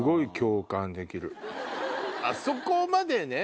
あそこまでね